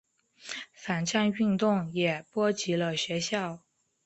反战运动也波及了学校。